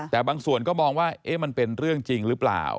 แต่บางส่วนก็มองว่ามันเป็นเรื่องจริงหรือเปล่า